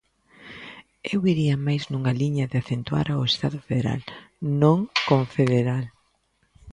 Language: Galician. Eu iría máis nunha liña de acentuar o Estado federal, non confederal.